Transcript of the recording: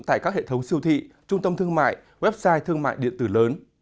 tại các hệ thống siêu thị trung tâm thương mại website thương mại điện tử lớn